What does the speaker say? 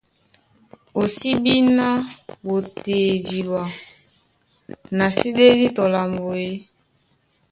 O sí bí ná ɓotea idiɓa, na sí ɗédi tɔ lambo e?